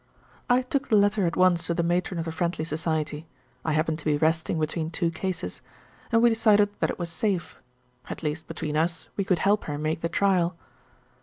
I took the letter at once to the Matron of the Friendly Society I happened to be resting between two cases and we decided that it was safe. At least between us we could help her make the trial.